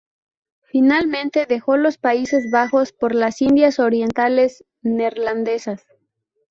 Finalmente, dejó los Países Bajos por las Indias Orientales Neerlandesas.